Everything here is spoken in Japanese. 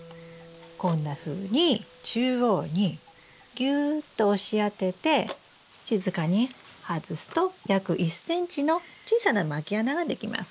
こんなふうに中央にギューッと押し当てて静かに外すと約１ｃｍの小さなまき穴が出来ます。